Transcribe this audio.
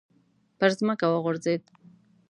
پر ځمکه وغورځېد.